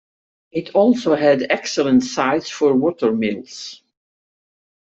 It also had excellent sites for watermills.